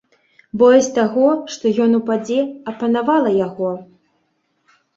Боязь таго, што ён упадзе, апанавала яго.